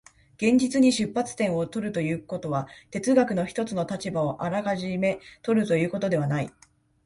現実に出発点を取るということは、哲学の一つの立場をあらかじめ取るということではない。